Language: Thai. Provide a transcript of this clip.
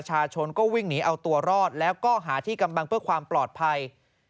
ชนก็วิ่งหนีเอาตัวรอดแล้วก็หาที่กำลังเพื่อความปลอดภัย